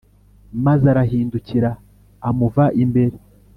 Maze arahindukira amuva imbere